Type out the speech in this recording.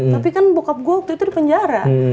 tapi kan bockup gue waktu itu di penjara